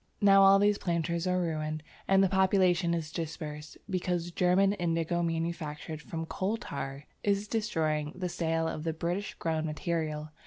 Now all these planters are ruined and the population is dispersed, because German indigo manufactured from coal tar is destroying the sale of the British grown material.